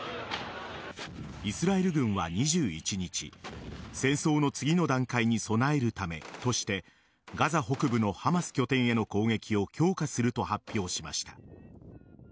イスラエル軍は２１日戦争の次の段階に備えるためとしてガザ北部のハマス拠点への攻撃を強化すると発表しました。